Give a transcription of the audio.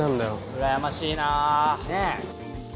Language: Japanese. うらやましいなねぇ？